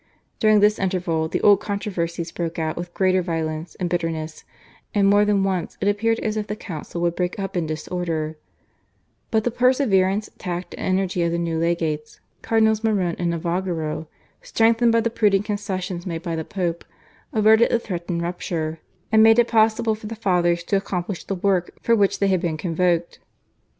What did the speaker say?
During this interval the old controversies broke out with greater violence and bitterness, and more than once it appeared as if the council would break up in disorder; but the perseverance, tact, and energy of the new legates, Cardinals Morone and Navagero, strengthened by the prudent concessions made by the Pope, averted the threatened rupture, and made it possible for the Fathers to accomplish the work for which they had been convoked.